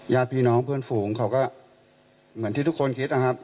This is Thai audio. ญาติพี่น้องเพื่อนฝูงเขาก็เหมือนที่ทุกคนคิดนะครับ